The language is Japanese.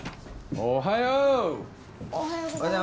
おはよう！